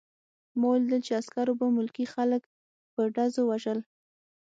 ما ولیدل چې عسکرو به ملکي خلک په ډزو وژل